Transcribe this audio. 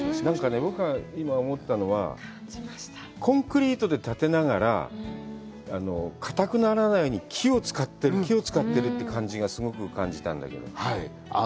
なんか、僕が今、思ったのは、コンクリートで建てながら、硬くならないように木を使ってる、木を使ってるって感じがしたんだけど。